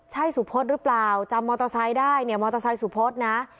ใช่สุพธหรือเปล่าจำมอเตอร์ไซค์ได้เนี่ยมอเตอร์ไซค์สุพธนะ